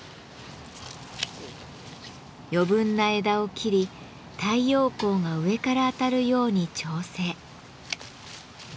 余分な枝を切り太陽光が上から当たるように調整。